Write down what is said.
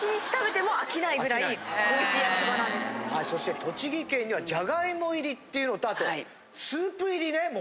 そして栃木県にはじゃがいも入りっていうのとあとスープ入りね。